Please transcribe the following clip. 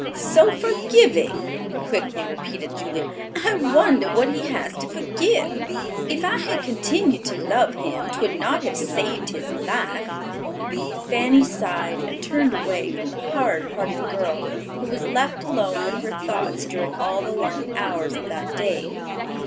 "So forgiving!" quickly repeated Julia. "I wonder what he has to forgive. If I had continued to love him, 'twould not have saved his life." Fanny sighed and turned away from the hard hearted girl, who was left alone with her thoughts during all the long hours of that day.